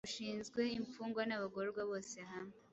Rushinzwe Imfungwa n’Abagororwa bose hamwe.